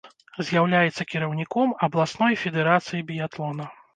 З'яўляецца кіраўніком абласной федэрацыі біятлона.